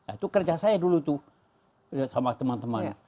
itu kerja saya dulu tuh sama teman teman